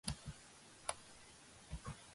კუნძულზე ოცდაათამდე დასახლებული პუნქტია.